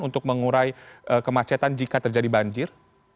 untuk mengurai kemacetan jika terjadi banjir